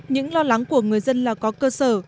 những lo lắng của người dân là có cơ sở